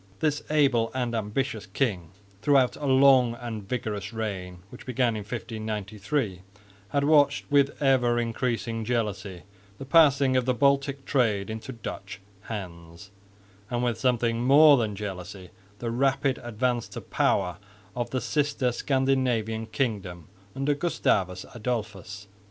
This able and ambitious king, throughout a long and vigorous reign, which began in 1593, had watched with ever increasing jealousy the passing of the Baltic trade into Dutch hands, and with something more than jealousy the rapid advance to power of the sister Scandinavian kingdom under Gustavus Adolphus.